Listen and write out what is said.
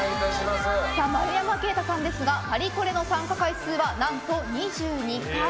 丸山敬太さんですがパリコレの参加回数は何と２２回。